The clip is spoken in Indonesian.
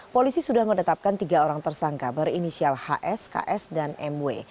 polisi sudah menetapkan tiga orang tersangka berinisial hs ks dan mw